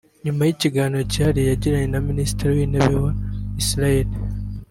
nyuma y’ikiganiro cyihariye yagiranye na Minisitiri w’Intebe wa Israel